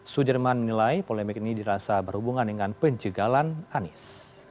sudirman menilai polemik ini dirasa berhubungan dengan penjegalan anies